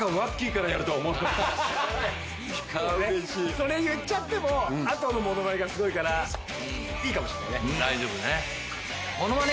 それ言っちゃっても後のものまねがすごいからいいかもしれないね。